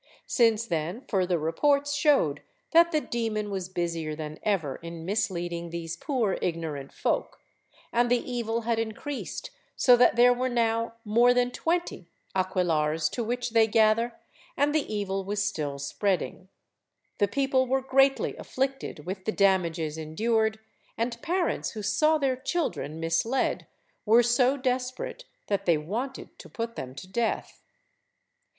Since then further reports showed that the demon was busier than ever in misleading these poor ignorant folk, and the evil had increased so that there now were more than twenty aquelarres to which they gather, and the evil was still spreading; the people were greatly afflicted with the damages endured, and parents who saw their children misled were so desperate that they wanted to put them to death.